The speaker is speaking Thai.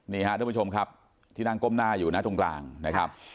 นี่ฮะทุกผู้ชมครับที่นั่งก้มหน้าอยู่นะตรงกลางนะครับ